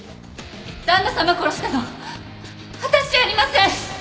旦那様殺したの私じゃありません！